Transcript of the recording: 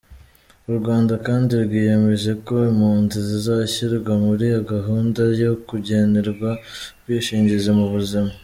U Rwanda kandi rwiyemejo ko impunzi zizashyirwa muri gahunda yo kugenerwa ubwishingizi mu buzima.